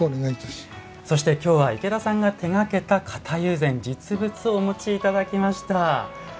そして今日は池田さんが手がけた型友禅実物をお持ちいただきました。